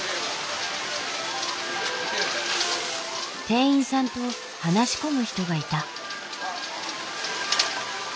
店員さんと話し込む人がいた。